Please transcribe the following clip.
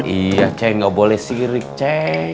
iya ceng nggak boleh sirik ceng